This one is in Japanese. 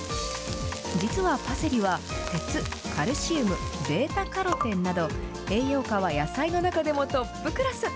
実はパセリは、鉄、カルシウム、ベータカロテンなど、栄養価は野菜の中でもトップクラス。